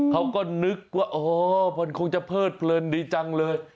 เขาก็นึกว่าอ๋อมันคงจะเพิดเพลินดีจังเลย